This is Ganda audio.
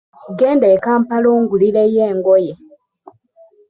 Genda e Kampala ongulireyo engoye.